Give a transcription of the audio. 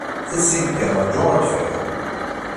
Tasint kan. Rju ad fakkeɣ.